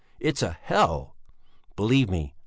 It's a hell! believe me.